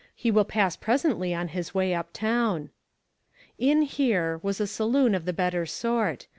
He will pass presently on his way up town." " In here " was a saloon of the better sort.